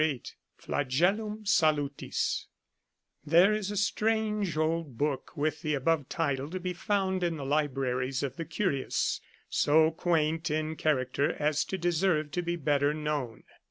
Ii8 FLAGELLUM SALUTIS" There is a strange old book with the above title to be found in the libraries of the curious, so quaint in character as to deserve to be better known.